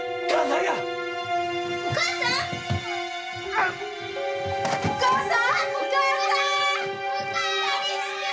うっ⁉お母さんお母さん！